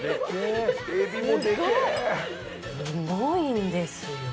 すごいんですよ。